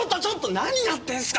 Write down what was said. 何やってんすか！